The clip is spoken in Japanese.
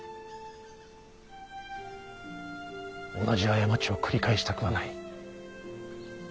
同じ過ちを繰り返したくはない。